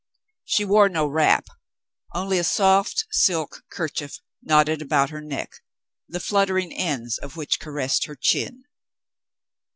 She wore no wrap, only a soft silk kerchief knotted about her neck, the flutter ing ends of which caressed her chin.